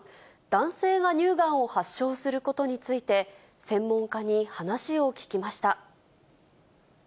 男性が乳がんを発症することについて、専門家に話を聞きました。